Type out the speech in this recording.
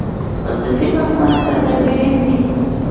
خصوصي بانکونه سوداګریز دي